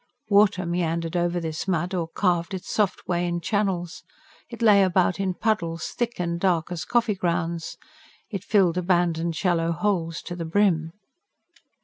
Water meandered over this mud, or carved its soft way in channels; it lay about in puddles, thick and dark as coffee grounds; it filled abandoned shallow holes to the brim.